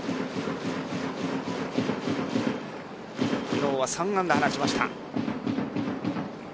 今日は３安打放ちました。